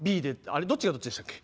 あれどっちがどっちでしたっけ？